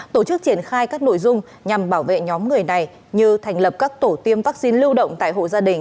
tổ chức triển khai các nội dung nhằm bảo vệ nhóm người này như thành lập các tổ tiêm vaccine lưu động tại hộ gia đình